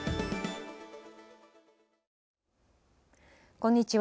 こんにちは。